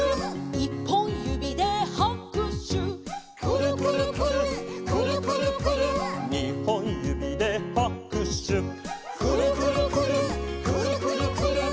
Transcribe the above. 「にほんゆびではくしゅ」「くるくるくるっくるくるくるっ」「さんぼんゆびではくしゅ」「くるくるくるっくるくるくるっ」